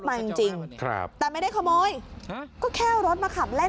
มาจริงจริงครับแต่ไม่ได้ขโมยฮะก็แค่เอารถมาขับเล่น